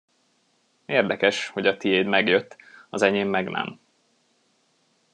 Érdekes, hogy a tiéd megjött, az enyém meg nem.